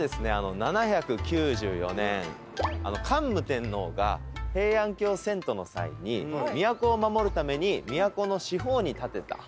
７９４年桓武天皇が平安京遷都の際に都を守るために都の四方に建てた社の一つ。